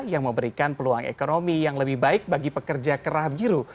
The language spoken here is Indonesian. yang memberikan peluang ekonomi yang lebih baik bagi pekerja kerah biru